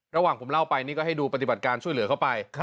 ระหว่างผมเล่าไปนี่ก็ให้ดูปฏิบัติการช่วยเหลือเข้าไป